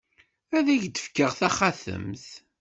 Ad ak-d-fkeɣ taxatemt.